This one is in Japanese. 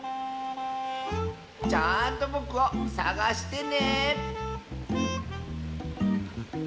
ちゃんとぼくをさがしてね！